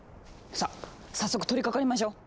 さあ早速取りかかりましょう！